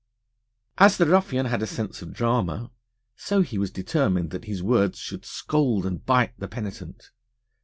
As the ruffian had a sense of drama, so he was determined that his words should scald and bite the penitent.